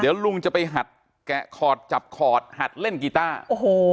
เดี๋ยวลุงจะไปหัดแกะขอดจับขอดหัดเล่นกีต้าโอ้โห